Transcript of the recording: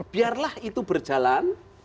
biarlah itu berjalan